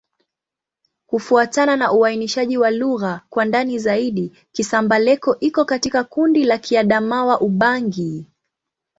Kufuatana na uainishaji wa lugha kwa ndani zaidi, Kisamba-Leko iko katika kundi la Kiadamawa-Ubangi.